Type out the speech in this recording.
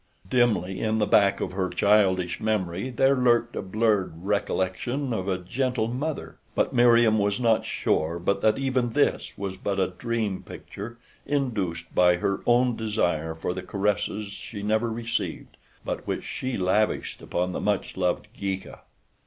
Dimly, in the back of her childish memory there lurked a blurred recollection of a gentle mother; but Meriem was not sure but that even this was but a dream picture induced by her own desire for the caresses she never received, but which she lavished upon the much loved Geeka.